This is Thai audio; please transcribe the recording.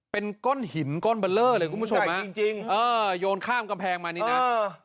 เป็นก้อนหินก้อนเบอร์เลอร์เลยคุณผู้ชมฮะจริงจริงเออโยนข้ามกำแพงมานี่นะเออ